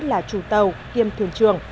là trù tàu kiêm thường trường